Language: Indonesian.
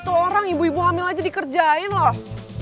satu orang ibu ibu hamil aja dikerjain loh